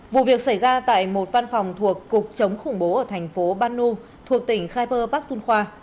vụ việc xảy ra tại một văn phòng thuộc cục chống khủng bố ở thành phố banu thuộc tỉnh khyber pakhtunkhwa